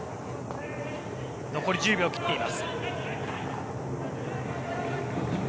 残り１０秒を切っています。